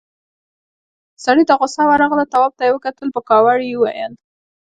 سړي ته غوسه ورغله، تواب ته يې وکتل، په کاوړ يې وويل: